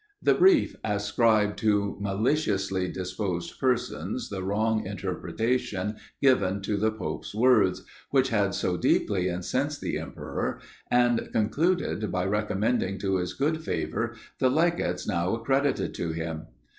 The brief ascribed to maliciously disposed persons the wrong interpretations given to the pope's words, which had so deeply incensed the emperor; and concluded by recommending to his good favour the legates now accredited to him.